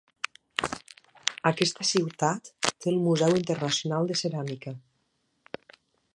Aquesta ciutat té el Museu internacional de ceràmica.